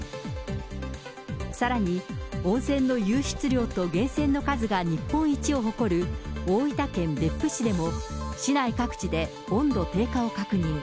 さらに温泉の湧出量と源泉の数が日本一を誇る大分県別府市でも、市内各地で温度低下を確認。